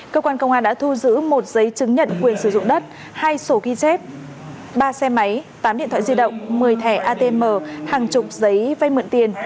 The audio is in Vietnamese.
cơ quan công an đã thu giữ một giấy chứng nhận quyền sử dụng đất hai sổ ghi chép ba xe máy tám điện thoại di động một mươi thẻ atm hàng chục giấy vay mượn tiền